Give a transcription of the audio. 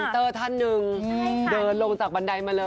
ท่านนึงเดินลงจากบันไดมาเลย